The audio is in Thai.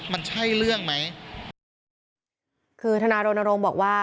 คือธนารณวงศ์บอกว่า